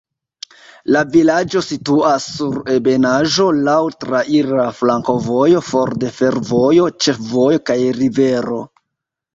La vilaĝo situas sur ebenaĵo, laŭ traira flankovojo, for de fervojo, ĉefvojo kaj rivero.